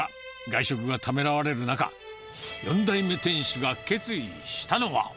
外食がためらわれる中、４代目店主が決意したのは。